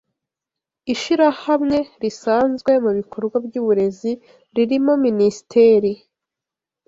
Ishirahamwe risanzwe mubikorwa byuburezi ririmo minisiteri